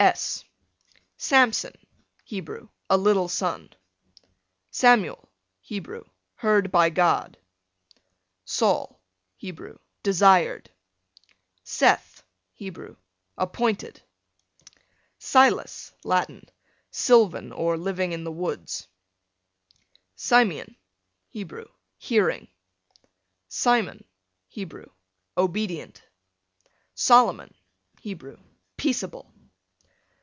S Samson, Hebrew, a little son. Samuel, Hebrew, heard by God. Saul, Hebrew, desired. Seth, Hebrew, appointed. Silas, Latin, sylvan or living in the woods. Simeon, Hebrew, hearing. Simon, Hebrew, obedient. Solomon, Hebrew, peaceable.